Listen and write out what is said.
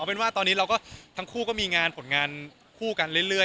เป็นว่าตอนนี้เราก็ทั้งคู่ก็มีงานผลงานคู่กันเรื่อย